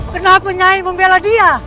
kenapa nyai membela dia